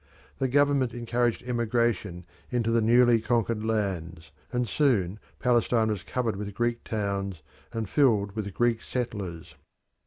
The government encouraged emigration into the newly conquered lands, and soon Palestine was covered with Greek towns and filled with Greek settlers.